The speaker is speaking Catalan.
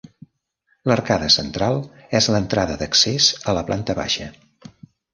L'arcada central és l'entrada d'accés a la planta baixa.